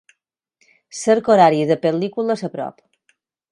Cerca horaris de pel·lícules a prop.